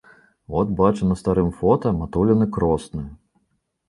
От бачым на старым фота матуліны кросны!